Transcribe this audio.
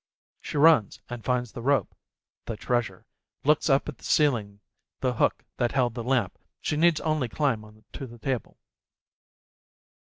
She runs and finds the rope, the treasure, looks up at the ceiling â€" the hook that held the lamp â€" she need only climb onto the table.